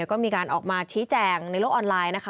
ก็มีการออกมาชี้แจงในโลกออนไลน์นะคะ